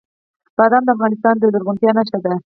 بادام د افغانستان د زرغونتیا نښه ده.